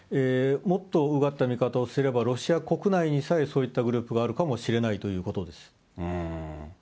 もっとうがった見方をすれば、ロシア国内にさえ、そういったグループがあるかもしれないということです。